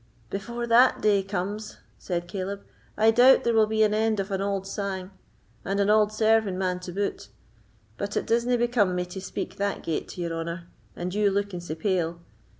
"Before that day comes," said Caleb, "I doubt there will be an end of an auld sang, and an auld serving man to boot. But it disna become me to speak that gate to your honour, and you looking sae pale.